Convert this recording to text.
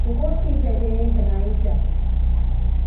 بہت سی جگہیں بنائی جاتی